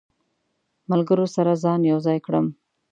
ملګرو سره ځان یو ځای کړم.